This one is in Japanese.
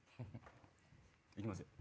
行きますよ。